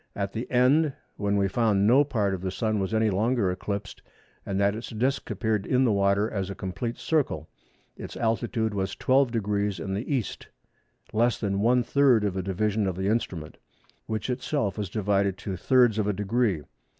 At the end when we found no part of the Sun was any longer eclipsed, and that its disc appeared in the water as a complete circle, its altitude was 12° in the E., less the one third of a division of the instrument, which itself was divided to thirds of a degree.